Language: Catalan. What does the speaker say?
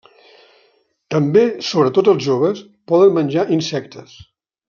També, sobretot els joves, poden menjar insectes.